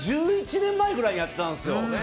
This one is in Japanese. １１年前ぐらいにやったんですよ。